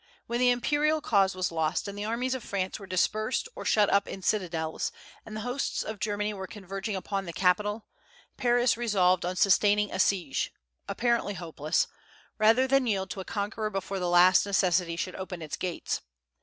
When the imperial cause was lost, and the armies of France were dispersed or shut up in citadels, and the hosts of Germany were converging upon the capital, Paris resolved on sustaining a siege apparently hopeless rather than yield to a conqueror before the last necessity should open its gates.